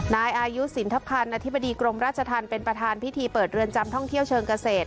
นายอายุสินทพันธ์อธิบดีกรมราชธรรมเป็นประธานพิธีเปิดเรือนจำท่องเที่ยวเชิงเกษตร